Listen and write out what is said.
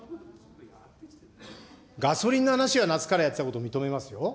ガソリンの話は夏からやってたことは認めますよ。